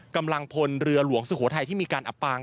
กำลังพลเรือหลวงสุโขทัยที่มีการอับปาง